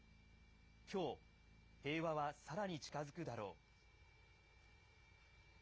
きょう、平和はさらに近づくだろう。